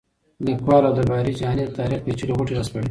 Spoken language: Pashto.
لیکوال عبدالباري جهاني د تاریخ پېچلې غوټې راسپړي.